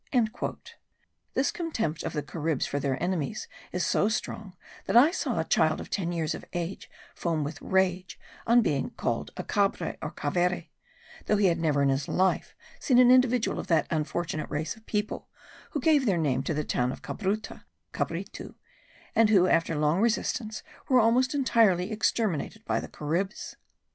This contempt of the Caribs for their enemies is so strong that I saw a child of ten years of age foam with rage on being called a Cabre or Cavere; though he had never in his life seen an individual of that unfortunate race of people who gave their name to the town of Cabruta (Cabritu); and who, after long resistance, were almost entirely exterminated by the Caribs.